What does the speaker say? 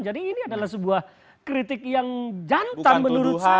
jadi ini adalah sebuah kritik yang jantan menurut saya